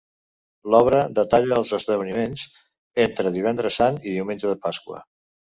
L'obra detalla els esdeveniments entre Divendres Sant i diumenge de Pasqua.